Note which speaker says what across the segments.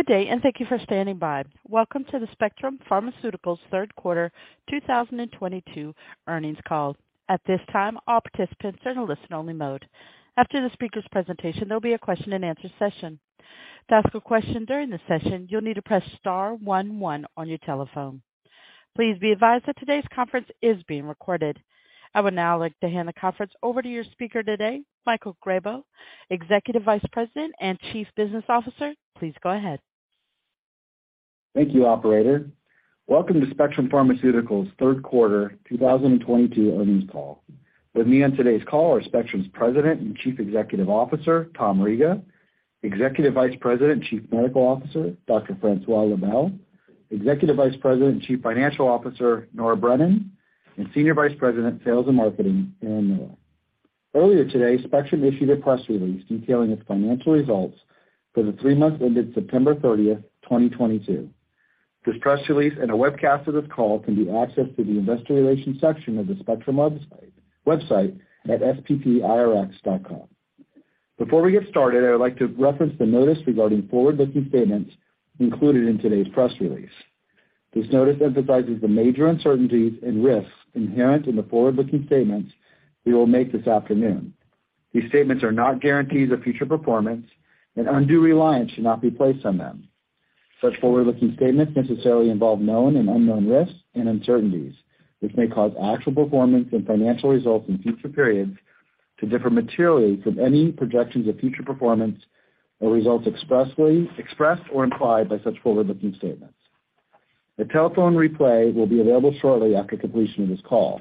Speaker 1: Good day, and thank you for standing by. Welcome to the Spectrum Pharmaceuticals Q3 2022 Earnings Call. At this time, all participants are in a listen-only mode. After the speaker's presentation, there'll be a question and answer session. To ask a question during the session, you'll need to press star one one on your telephone. Please be advised that today's conference is being recorded. I would now like to hand the conference over to your speaker today, Michael Grabow, Executive Vice President and Chief Business Officer. Please go ahead.
Speaker 2: Thank you, operator. Welcome to Spectrum Pharmaceuticals Q3 2022 Earnings call. With me on today's call are Spectrum's President and Chief Executive Officer, Tom Riga; Executive Vice President and Chief Medical Officer, Dr. Francois Lebel; Executive Vice President and Chief Financial Officer, Nora Brennan; and Senior Vice President, Sales and Marketing, Erin Miller. Earlier today, Spectrum issued a press release detailing its financial results for the three months ended September 30, 2022. This press release and a webcast of this call can be accessed through the investor relations section of the Spectrum website at sppirx.com. Before we get started, I would like to reference the notice regarding forward-looking statements included in today's press release. This notice emphasizes the major uncertainties and risks inherent in the forward-looking statements we will make this afternoon. These statements are not guarantees of future performance, and undue reliance should not be placed on them. Such forward-looking statements necessarily involve known and unknown risks and uncertainties, which may cause actual performance and financial results in future periods to differ materially from any projections of future performance or results expressly expressed or implied by such forward-looking statements. A telephone replay will be available shortly after completion of this call.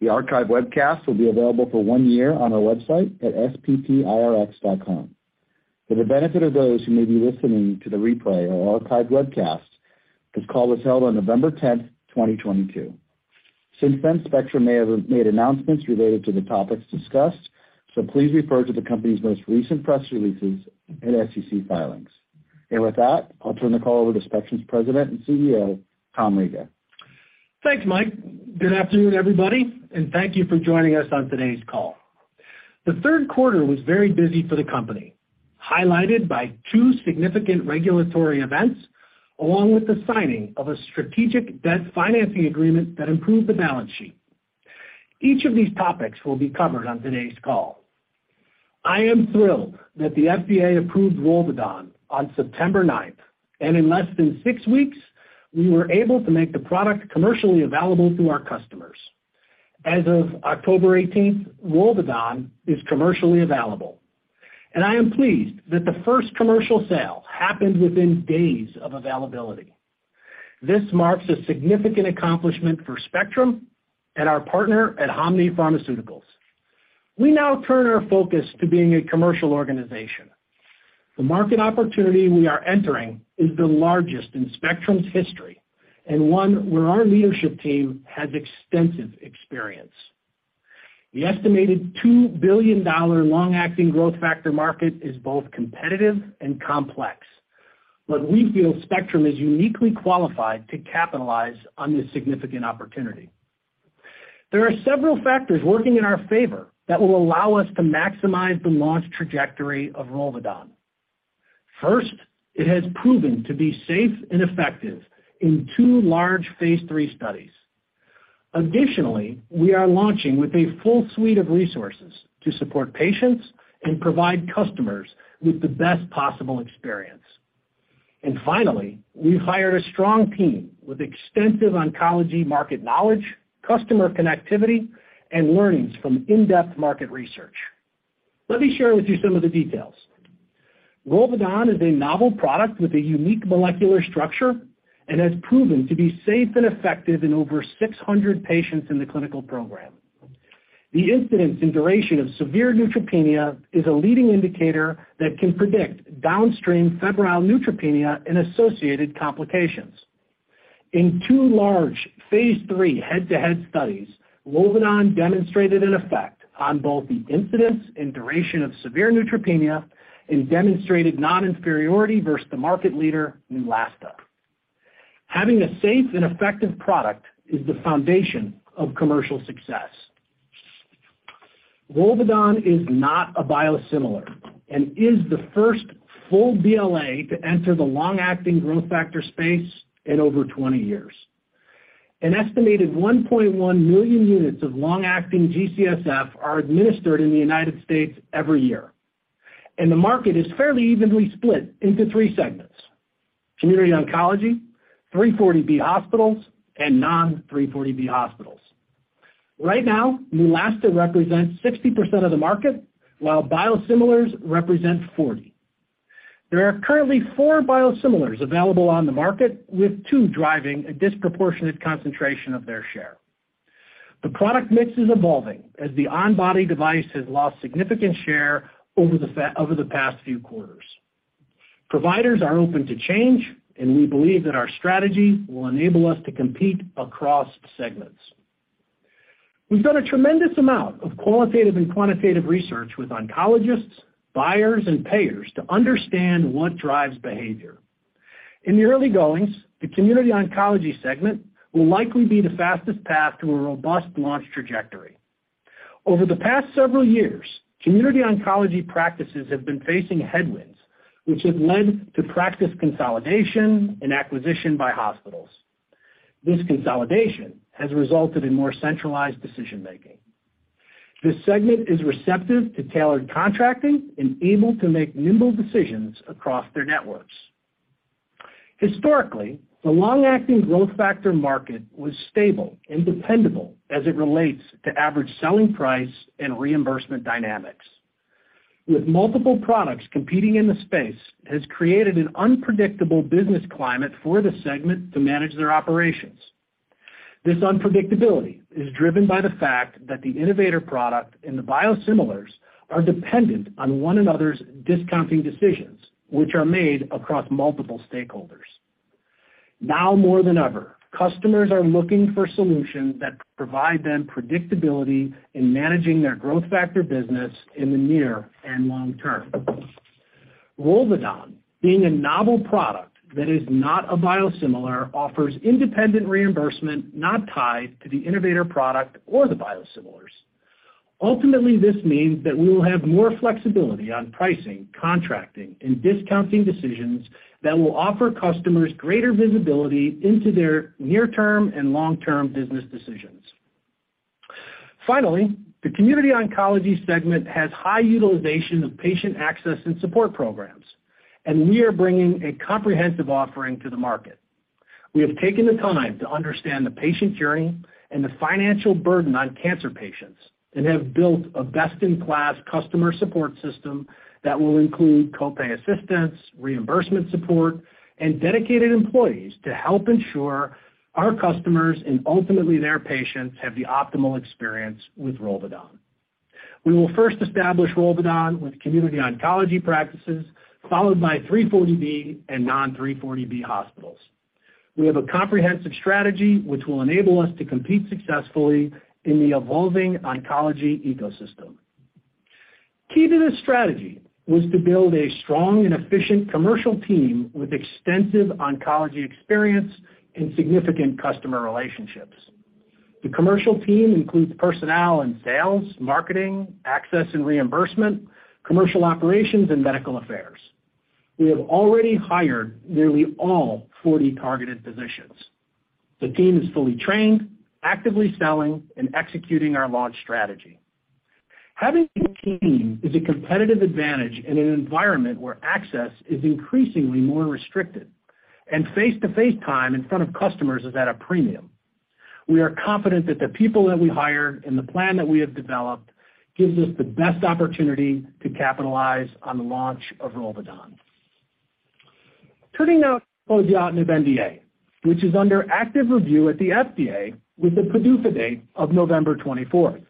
Speaker 2: The archive webcast will be available for one year on our website at sppirx.com. For the benefit of those who may be listening to the replay or archived webcast, this call was held on November 10, 2022. Since then, Spectrum may have made announcements related to the topics discussed, so please refer to the company's most recent press releases and SEC filings. With that, I'll turn the call over to Spectrum's President and CEO, Tom Riga.
Speaker 3: Thanks, Mike. Good afternoon, everybody, and thank you for joining us on today's call. The Q3 was very busy for the company, highlighted by two significant regulatory events, along with the signing of a strategic debt financing agreement that improved the balance sheet. Each of these topics will be covered on today's call. I am thrilled that the FDA approved Rolvedon on September 9th, and in less than six weeks we were able to make the product commercially available to our customers. As of October eighteenth, Rolvedon is commercially available, and I am pleased that the first commercial sale happened within days of availability. This marks a significant accomplishment for Spectrum and our partner at Hanmi Pharmaceutical. We now turn our focus to being a commercial organization. The market opportunity we are entering is the largest in Spectrum's history and one where our leadership team has extensive experience. The estimated $2 billion long-acting growth factor market is both competitive and complex, but we feel Spectrum is uniquely qualified to capitalize on this significant opportunity. There are several factors working in our favor that will allow us to maximize the launch trajectory of Rolvedon. First, it has proven to be safe and effective in two large phase III studies. Additionally, we are launching with a full suite of resources to support patients and provide customers with the best possible experience. Finally, we've hired a strong team with extensive oncology market knowledge, customer connectivity, and learnings from in-depth market research. Let me share with you some of the details. Rolvedon is a novel product with a unique molecular structure and has proven to be safe and effective in over 600 patients in the clinical program. The incidence and duration of severe neutropenia is a leading indicator that can predict downstream febrile neutropenia and associated complications. In two large phase III head-to-head studies, Rolvedon demonstrated an effect on both the incidence and duration of severe neutropenia and demonstrated non-inferiority versus the market leader, Neulasta. Having a safe and effective product is the foundation of commercial success. Rolvedon is not a biosimilar and is the first full BLA to enter the long-acting growth factor space in over 20 years. An estimated 1.1 million units of long-acting GCSF are administered in the United States every year, and the market is fairly evenly split into three segments, community oncology, 340B hospitals and non-340B hospitals. Right now, Neulasta represents 60% of the market, while biosimilars represent 40%. There are currently four biosimilars available on the market, with two driving a disproportionate concentration of their share. The product mix is evolving as the on-body device has lost significant share over the past few quarters. Providers are open to change, and we believe that our strategy will enable us to compete across segments. We've done a tremendous amount of qualitative and quantitative research with oncologists, buyers and payers to understand what drives behavior. In the early goings, the community oncology segment will likely be the fastest path to a robust launch trajectory. Over the past several years, community oncology practices have been facing headwinds, which have led to practice consolidation and acquisition by hospitals. This consolidation has resulted in more centralized decision-making. This segment is receptive to tailored contracting and able to make nimble decisions across their networks. Historically, the long-acting growth factor market was stable and dependable as it relates to average selling price and reimbursement dynamics. With multiple products competing in the space has created an unpredictable business climate for the segment to manage their operations. This unpredictability is driven by the fact that the innovator product and the biosimilars are dependent on one another's discounting decisions, which are made across multiple stakeholders. Now more than ever, customers are looking for solutions that provide them predictability in managing their growth factor business in the near and long term. Rolvedon, being a novel product that is not a biosimilar, offers independent reimbursement not tied to the innovator product or the biosimilars. Ultimately, this means that we will have more flexibility on pricing, contracting, and discounting decisions that will offer customers greater visibility into their near-term and long-term business decisions. Finally, the community oncology segment has high utilization of patient access and support programs, and we are bringing a comprehensive offering to the market. We have taken the time to understand the patient journey and the financial burden on cancer patients and have built a best-in-class customer support system that will include copay assistance, reimbursement support, and dedicated employees to help ensure our customers, and ultimately their patients, have the optimal experience with Rolvedon. We will first establish Rolvedon with community oncology practices, followed by 340B and non-340B hospitals. We have a comprehensive strategy which will enable us to compete successfully in the evolving oncology ecosystem. Key to this strategy was to build a strong and efficient commercial team with extensive oncology experience and significant customer relationships. The commercial team includes personnel in sales, marketing, access and reimbursement, commercial operations, and medical affairs. We have already hired nearly all 40 targeted positions. The team is fully trained, actively selling and executing our launch strategy. Having a team is a competitive advantage in an environment where access is increasingly more restricted and face-to-face time in front of customers is at a premium. We are confident that the people that we hired and the plan that we have developed gives us the best opportunity to capitalize on the launch of Rolvedon. Turning now to poziotinib NDA, which is under active review at the FDA with the PDUFA date of November 24.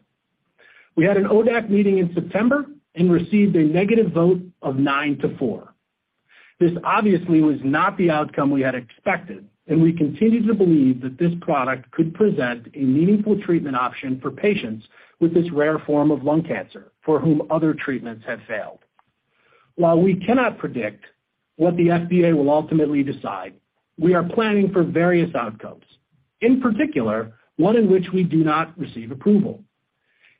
Speaker 3: We had an ODAC meeting in September and received a negative vote of nine to four. This obviously was not the outcome we had expected, and we continue to believe that this product could present a meaningful treatment option for patients with this rare form of lung cancer for whom other treatments have failed. While we cannot predict what the FDA will ultimately decide, we are planning for various outcomes, in particular, one in which we do not receive approval.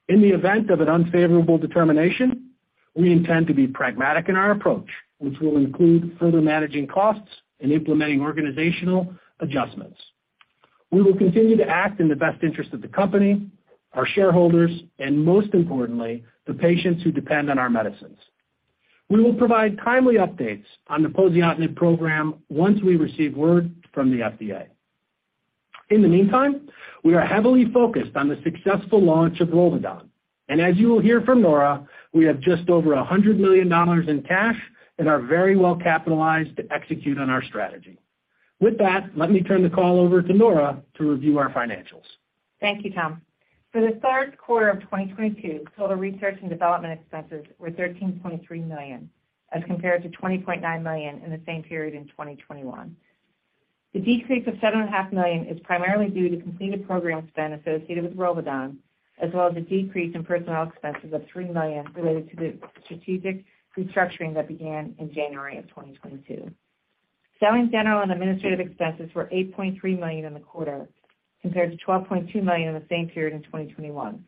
Speaker 3: In the event of an unfavorable determination, we intend to be pragmatic in our approach, which will include further managing costs and implementing organizational adjustments. We will continue to act in the best interest of the company, our shareholders, and most importantly, the patients who depend on our medicines. We will provide timely updates on the poziotinib program once we receive word from the FDA. In the meantime, we are heavily focused on the successful launch of Rolvedon, and as you will hear from Nora, we have just over $100 million in cash and are very well capitalized to execute on our strategy. With that, let me turn the call over to Nora to review our financials.
Speaker 4: Thank you, Tom. For the Q3 of 2022, total research and development expenses were $13.3 million, as compared to $20.9 million in the same period in 2021. The decrease of $7.5 million is primarily due to completed program spend associated with Rolvedon, as well as a decrease in personnel expenses of $3 million related to the strategic restructuring that began in January of 2022. Selling, general, and administrative expenses were $8.3 million in the quarter, compared to $12.2 million in the same period in 2021.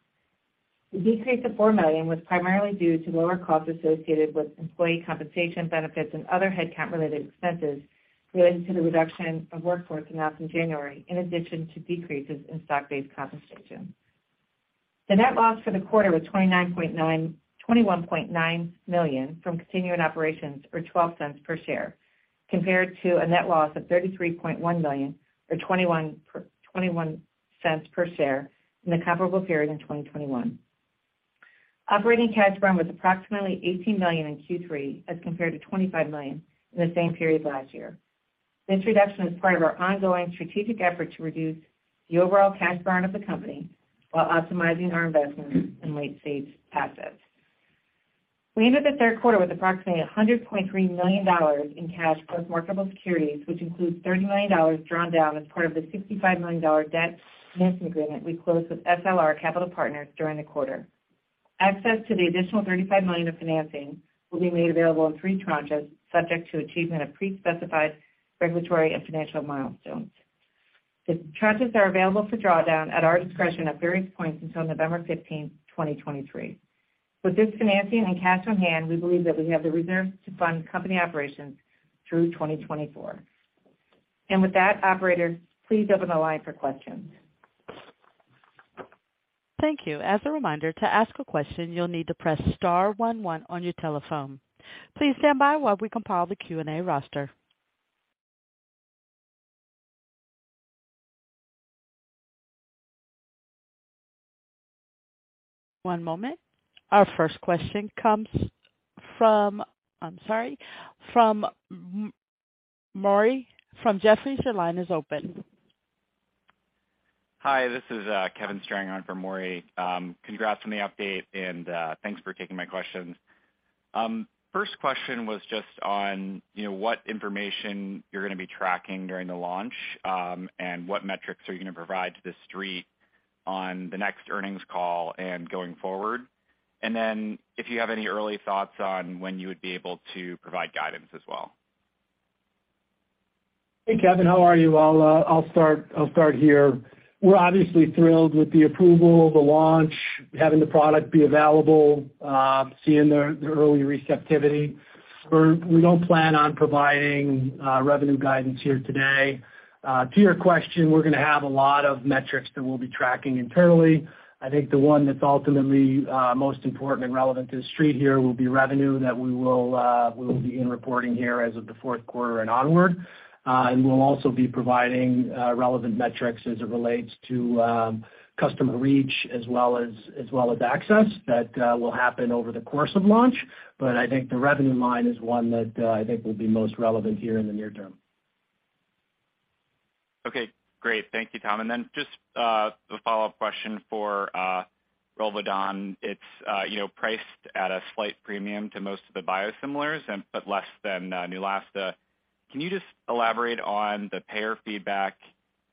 Speaker 4: The decrease of $4 million was primarily due to lower costs associated with employee compensation benefits and other headcount-related expenses related to the reduction of workforce announced in January, in addition to decreases in stock-based compensation. The net loss for the quarter was $21.9 million from continuing operations, or $0.12 per share, compared to a net loss of $33.1 million, or $0.21 per share in the comparable period in 2021. Operating cash burn was approximately $18 million in Q3, as compared to $25 million in the same period last year. This reduction is part of our ongoing strategic effort to reduce the overall cash burn of the company while optimizing our investments in late-stage assets. We ended the Q3 with approximately $100.3 million in cash plus marketable securities, which includes $30 million drawn down as part of the $65 million debt financing agreement we closed with SLR Capital Partners during the quarter. Access to the additional $35 million of financing will be made available in three tranches subject to achievement of pre-specified regulatory and financial milestones. The tranches are available for drawdown at our discretion at various points until November 15th, 2023. With this financing and cash on hand, we believe that we have the reserves to fund company operations through 2024. With that, operator, please open the line for questions.
Speaker 1: Thank you. As a reminder, to ask a question, you'll need to press star one one on your telephone. Please stand by while we compile the Q&A roster. One moment. Our first question comes from Maury from Jefferies. Your line is open.
Speaker 5: Hi, this is Kevin Strang on for Maury. Congrats on the update, and thanks for taking my questions. First question was just on, you know, what information you're gonna be tracking during the launch, and what metrics are you gonna provide to the Street on the next earnings call and going forward. If you have any early thoughts on when you would be able to provide guidance as well.
Speaker 3: Hey, Kevin, how are you? I'll start here. We're obviously thrilled with the approval, the launch, having the product be available, seeing the early receptivity. We don't plan on providing revenue guidance here today. To your question, we're gonna have a lot of metrics that we'll be tracking internally. I think the one that's ultimately most important and relevant to the Street here will be revenue that we will be reporting here as of the Q4 and onward. We'll also be providing relevant metrics as it relates to customer reach as well as access that will happen over the course of launch. I think the revenue line is one that I think will be most relevant here in the near term.
Speaker 5: Okay, great. Thank you, Tom. Just a follow-up question for Rolvedon. It's, you know, priced at a slight premium to most of the biosimilars but less than Neulasta. Can you just elaborate on the payer feedback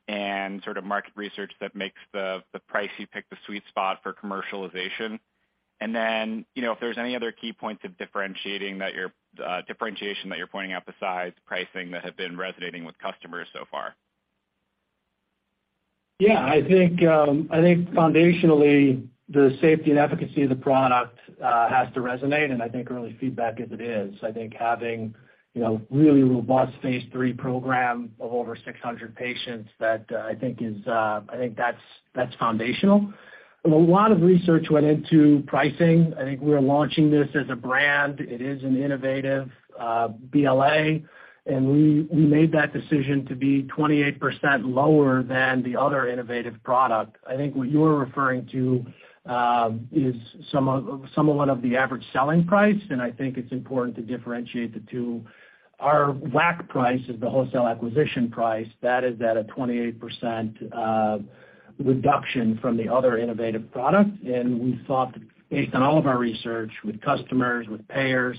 Speaker 5: and sort of market research that makes the price you picked the sweet spot for commercialization? You know, if there's any other key points of differentiation that you're pointing out besides pricing that have been resonating with customers so far.
Speaker 3: Yeah. I think foundationally, the safety and efficacy of the product has to resonate, and I think early feedback is it is. I think having, you know, really robust phase III program of over 600 patients that I think is foundational. A lot of research went into pricing. I think we're launching this as a brand. It is an innovative BLA, and we made that decision to be 28% lower than the other innovative product. I think what you're referring to is somewhat of the average selling price, and I think it's important to differentiate the two. Our WAC price is the wholesale acquisition price. That is at a 28% reduction from the other innovative product. We thought based on all of our research with customers, with payers,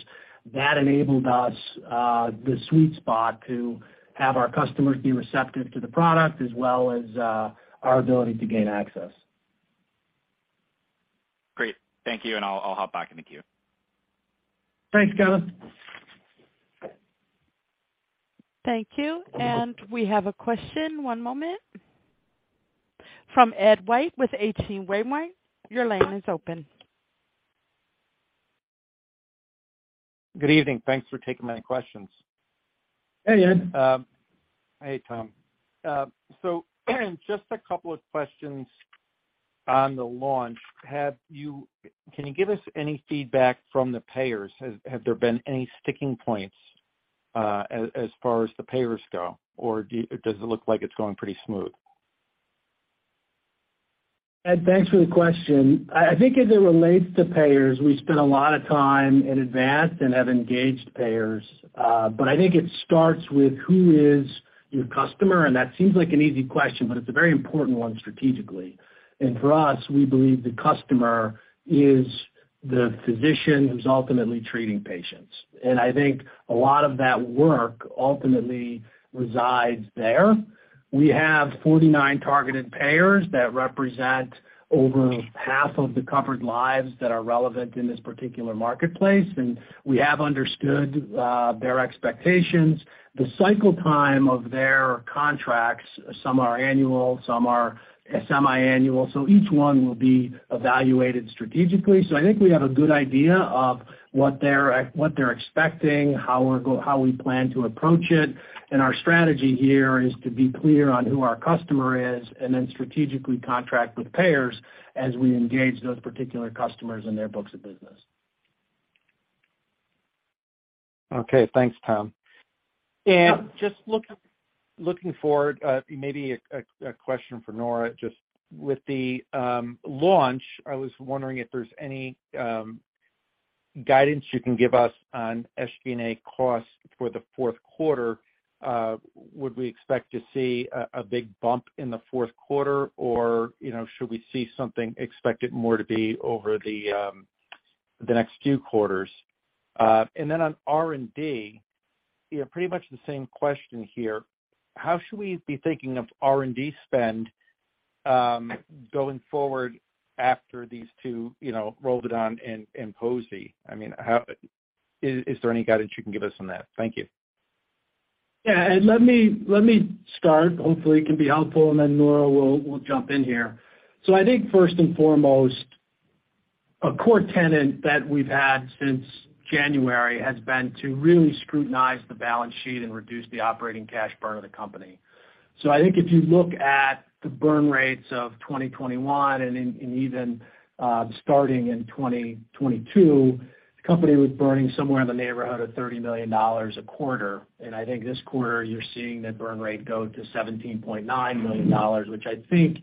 Speaker 3: that enabled us the sweet spot to have our customers be receptive to the product as well as our ability to gain access.
Speaker 5: Great. Thank you, and I'll hop back in the queue.
Speaker 3: Thanks, Kevin.
Speaker 1: Thank you. We have a question, one moment. From Ed White with H.C. Wainwright. Your line is open.
Speaker 6: Good evening. Thanks for taking my questions.
Speaker 3: Hey, Ed.
Speaker 6: Hey, Tom. So just a couple of questions on the launch. Can you give us any feedback from the payers? Have there been any sticking points, as far as the payers go, or does it look like it's going pretty smooth?
Speaker 3: Ed, thanks for the question. I think as it relates to payers, we spent a lot of time in advance and have engaged payers, but I think it starts with who is your customer, and that seems like an easy question, but it's a very important one strategically. For us, we believe the customer is the physician who's ultimately treating patients. I think a lot of that work ultimately resides there. We have 49 targeted payers that represent over half of the covered lives that are relevant in this particular marketplace, and we have understood their expectations. The cycle time of their contracts, some are annual, some are semi-annual, so each one will be evaluated strategically. I think we have a good idea of what they're expecting, how we plan to approach it. Our strategy here is to be clear on who our customer is and then strategically contract with payers as we engage those particular customers in their books of business.
Speaker 6: Okay. Thanks, Tom. Just looking forward, maybe a question for Nora. Just with the launch, I was wondering if there's any guidance you can give us on SG&A costs for the Q4. Would we expect to see a big bump in the Q4 or, you know, should we see something expected more to be over the next few quarters? And then on R&D, you know, pretty much the same question here. How should we be thinking of R&D spend going forward after these two, you know, Rolvedon and poziotinib. I mean, is there any guidance you can give us on that? Thank you.
Speaker 3: Yeah. Let me start. Hopefully, it can be helpful, and then Nora will jump in here. I think first and foremost, a core tenet that we've had since January has been to really scrutinize the balance sheet and reduce the operating cash burn of the company. I think if you look at the burn rates of 2021 and then even starting in 2022, the company was burning somewhere in the neighborhood of $30 million a quarter. I think this quarter, you're seeing that burn rate go to $17.9 million, which I think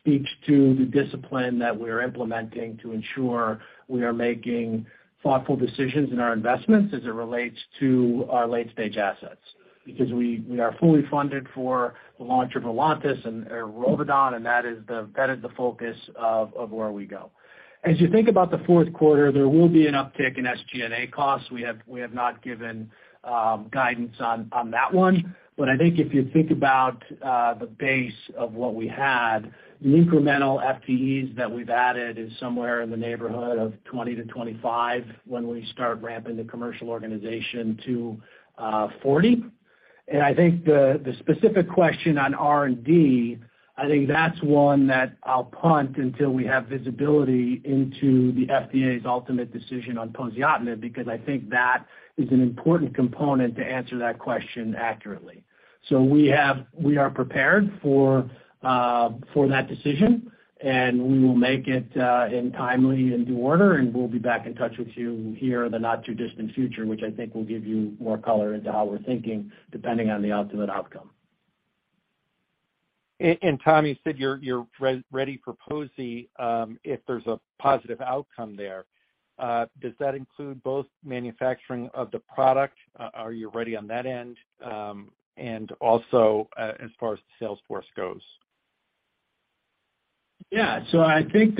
Speaker 3: speaks to the discipline that we're implementing to ensure we are making thoughtful decisions in our investments as it relates to our late-stage assets. Because we are fully funded for the launch of Volantus and Rolvedon, and that is the focus of where we go. As you think about the Q4, there will be an uptick in SG&A costs. We have not given guidance on that one. I think if you think about the base of what we had, the incremental FTEs that we've added is somewhere in the neighborhood of 20-25 when we start ramping the commercial organization to 40. I think the specific question on R&D, I think that's one that I'll punt until we have visibility into the FDA's ultimate decision on poziotinib, because I think that is an important component to answer that question accurately. We are prepared for that decision, and we will make it in timely and due order, and we'll be back in touch with you here in the not too distant future, which I think will give you more color into how we're thinking depending on the ultimate outcome.
Speaker 6: Tom, you said you're ready for poziotinib if there's a positive outcome there. Does that include both manufacturing of the product? Are you ready on that end? And also, as far as the sales force goes.
Speaker 3: Yeah. I think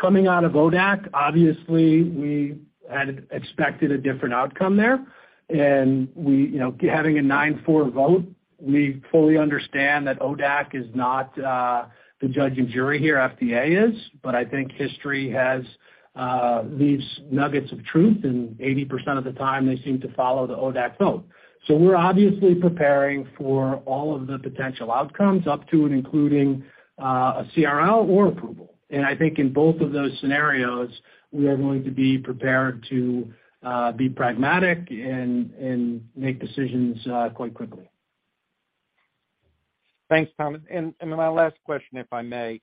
Speaker 3: coming out of ODAC, obviously, we had expected a different outcome there. You know, having a nine-four vote, we fully understand that ODAC is not the judge and jury here, FDA is. I think history has left nuggets of truth, and 80% of the time they seem to follow the ODAC vote. We're obviously preparing for all of the potential outcomes up to and including a CRL or approval. I think in both of those scenarios, we are going to be prepared to be pragmatic and make decisions quite quickly.
Speaker 6: Thanks, Tom. My last question, if I may.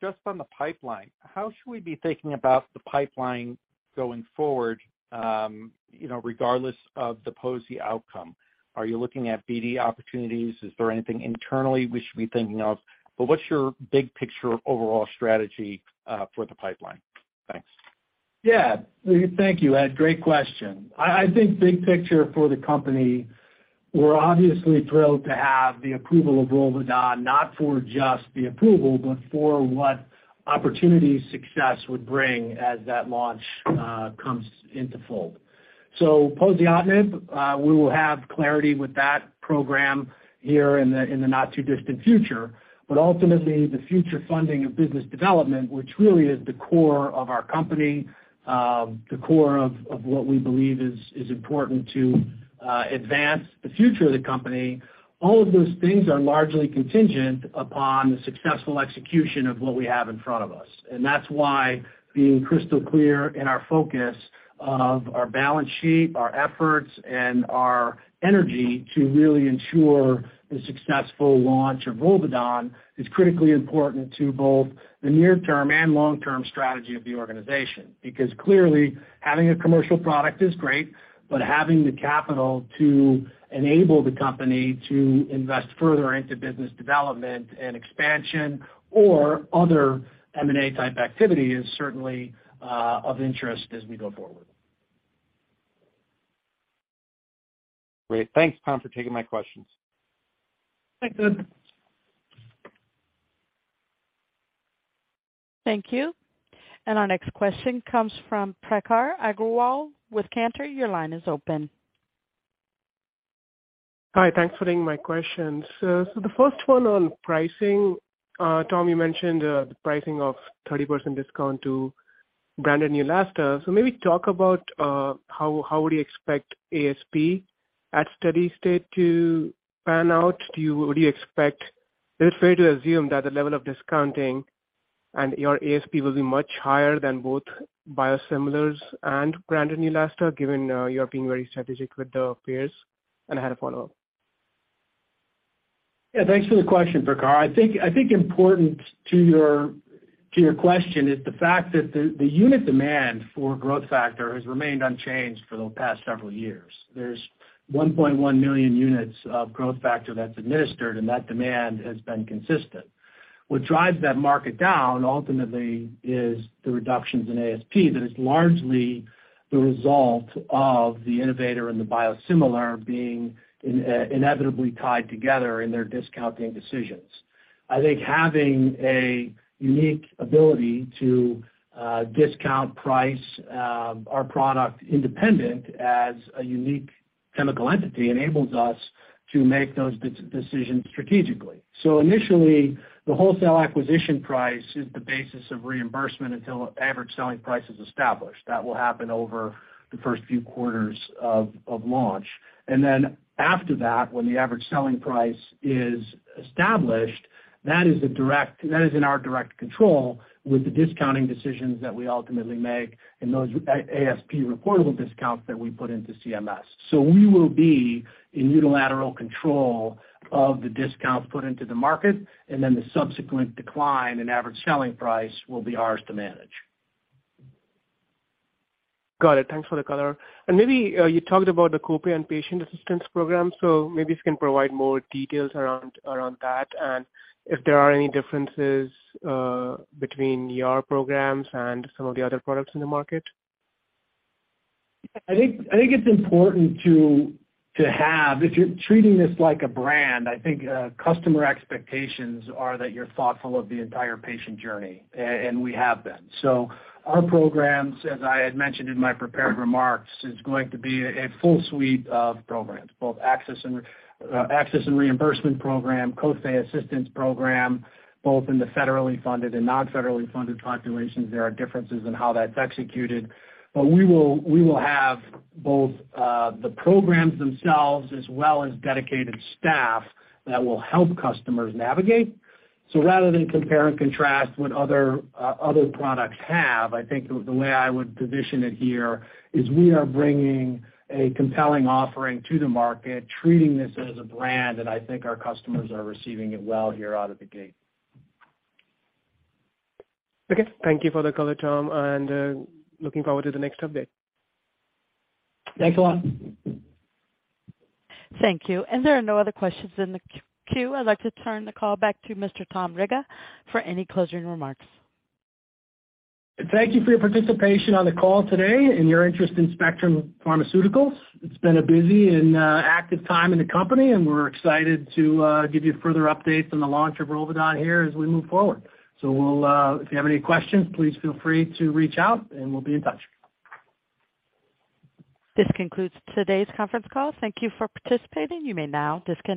Speaker 6: Just on the pipeline, how should we be thinking about the pipeline going forward, you know, regardless of the poziotinib outcome? Are you looking at BD opportunities? Is there anything internally we should be thinking of? What's your big picture overall strategy for the pipeline? Thanks.
Speaker 3: Yeah. Thank you, Ed. Great question. I think big picture for the company, we're obviously thrilled to have the approval of Rolvedon, not just for the approval, but for what opportunity success would bring as that launch comes into fold. Poziotinib, we will have clarity with that program here in the not too distant future. Ultimately, the future funding of business development, which really is the core of our company, the core of what we believe is important to advance the future of the company, all of those things are largely contingent upon the successful execution of what we have in front of us. That's why being crystal clear in our focus of our balance sheet, our efforts and our energy to really ensure the successful launch of Rolvedon is critically important to both the near term and long-term strategy of the organization. Because clearly, having a commercial product is great, but having the capital to enable the company to invest further into business development and expansion or other M&A type activity is certainly, of interest as we go forward.
Speaker 6: Great. Thanks, Tom, for taking my questions.
Speaker 3: Thanks, Ed.
Speaker 1: Thank you. Our next question comes from Prakhar Agrawal with Cantor. Your line is open.
Speaker 7: Hi, thanks for taking my questions. The first one on pricing. Tom, you mentioned the pricing of 30% discount to branded Neulasta. Maybe talk about how would you expect ASP at steady state to pan out. Would you expect. Is it fair to assume that the level of discounting and your ASP will be much higher than both biosimilars and branded Neulasta, given you're being very strategic with the peers? I had a follow-up.
Speaker 3: Yeah, thanks for the question, Prakhar. I think important to your question is the fact that the unit demand for growth factor has remained unchanged for the past several years. There's 1.1 million units of growth factor that's administered, and that demand has been consistent. What drives that market down ultimately is the reductions in ASP that is largely the result of the innovator and the biosimilar being inevitably tied together in their discounting decisions. I think having a unique ability to discount price our product independent as a unique chemical entity enables us to make those decisions strategically. Initially, the wholesale acquisition price is the basis of reimbursement until average selling price is established. That will happen over the first few quarters of launch. After that, when the average selling price is established, that is in our direct control with the discounting decisions that we ultimately make and those ASP reportable discounts that we put into CMS. We will be in unilateral control of the discounts put into the market, and then the subsequent decline in average selling price will be ours to manage.
Speaker 7: Got it. Thanks for the color. Maybe, you talked about the copay and patient assistance program, so maybe if you can provide more details around that and if there are any differences between your programs and some of the other products in the market.
Speaker 3: I think it's important to have. If you're treating this like a brand, I think customer expectations are that you're thoughtful of the entire patient journey, and we have been. Our programs, as I had mentioned in my prepared remarks, is going to be a full suite of programs, both access and reimbursement program, co-pay assistance program, both in the federally funded and non-federally funded populations. There are differences in how that's executed. We will have both the programs themselves as well as dedicated staff that will help customers navigate. Rather than compare and contrast what other products have, I think the way I would position it here is we are bringing a compelling offering to the market, treating this as a brand, and I think our customers are receiving it well here out of the gate.
Speaker 7: Okay. Thank you for the color, Tom, and looking forward to the next update.
Speaker 3: Thanks a lot.
Speaker 1: Thank you. There are no other questions in the queue. I'd like to turn the call back to Mr. Tom Riga for any closing remarks.
Speaker 3: Thank you for your participation on the call today and your interest in Spectrum Pharmaceuticals. It's been a busy and active time in the company, and we're excited to give you further updates on the launch of Rolvedon here as we move forward. If you have any questions, please feel free to reach out, and we'll be in touch.
Speaker 1: This concludes today's conference call. Thank you for participating. You may now disconnect.